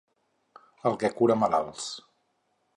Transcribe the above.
El que cura malalts.